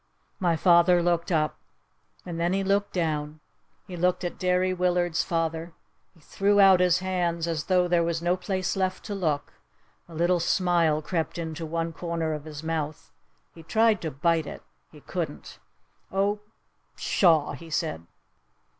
My father looked up. And then he looked down. He looked at Derry Willard's father. He threw out his hands as tho there was no place left to look. A little smile crept into one corner of his mouth. He tried to bite it. He couldn't. "Oh pshaw!" he said.